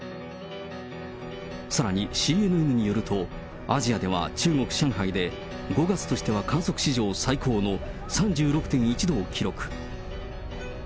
さらにＣＮＮによると、アジアでは中国・上海で、５月としては観測史上最高の３６．１度を記録。